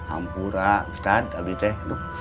ampura ustadz abdi teh